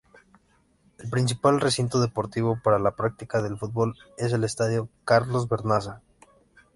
El principal recinto deportivo para la práctica del fútbol es el Estadio Carlos Vernaza.